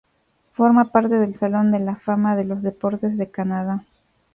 Forma parte del Salón de la Fama de los Deportes de Canadá.